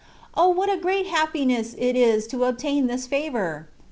O ! what a great happiness it is to obtain this favour